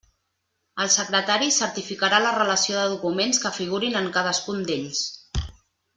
El secretari certificarà la relació de documents que figurin en cadascun d'ells.